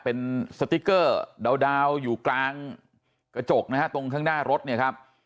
เป็นสติ๊กเกอร์ดาวอยู่กลางกระจกนะฮะตรงข้างหน้ารถเนี่ยครับ